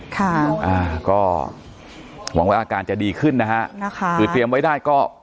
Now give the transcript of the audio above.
ก็หวังว่าอาการจะดีขึ้นนะฮะถือเตรียมไว้ได้ก็